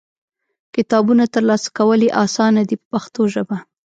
کتابونه ترلاسه کول یې اسانه دي په پښتو ژبه.